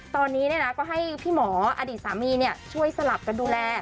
ตอนนี้ก็ให้พี่หมออดีตสามีช่วยสลับกันดูแล